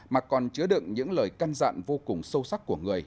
mà còn chứa đựng những lời căn dặn vô cùng sâu sắc của người